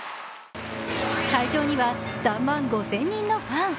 会場には３万５０００人のファン。